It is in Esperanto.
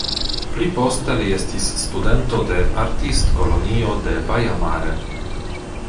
Pli poste li estis studento de Artistkolonio de Baia Mare.